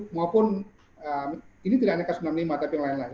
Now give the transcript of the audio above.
maupun ini tidak hanya k sembilan puluh lima tapi yang lain lain